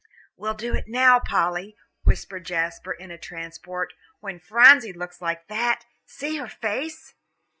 "We'll do it now, Polly," whispered Jasper, in a transport, "when Phronsie looks like that. See her face!"